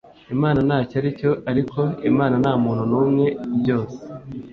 Imana ntacyo aricyo ariko Imana ntamuntu numwe ni byose